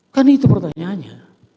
kan itu pertanyaannya